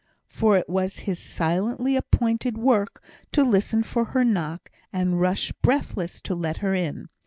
For it was his silently appointed work to listen for her knock, and rush breathless to let her in.